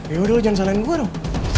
yaudah lo jangan salen gue dong